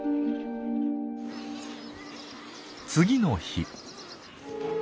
次の日。